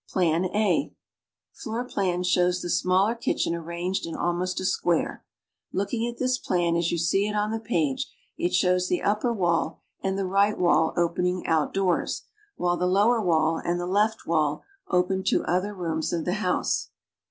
PLAN A Floor plan shows the smaller kitchen arranged in almost a square. Looking at this plan as you .see it on the page, it shows the upper wall and the right wall opening outdoors, while the lower wall and the left wall open to other rooms of the house.